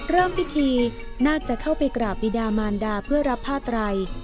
เริ่มพิธีน่าจะเข้าไปกราบบิดามารดาเพื่อรับผ้าไตร